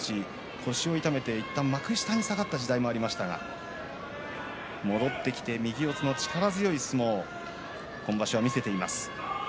腰を痛めて幕下に下がった時代もありました、戻ってきて右四つの力強い相撲を見せています。